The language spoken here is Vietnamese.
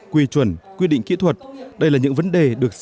quy chuẩn quy định kỹ thuật